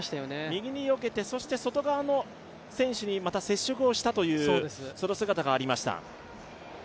右によけて外側の選手にまた接触したというその姿がありました。